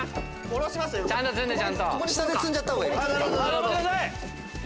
下で積んじゃったほうがいい。